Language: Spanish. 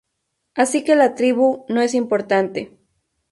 Así que la tribu no es importante.